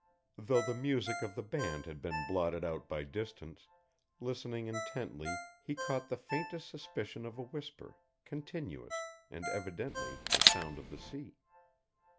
Though the music of the band had been blotted out by distance, listening intently he caught the faintest suspicion of a whisper, continuous, and evidently the sound of the sea.